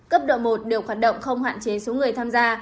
cấp độ một được hoạt động không hoạn chế số người tham gia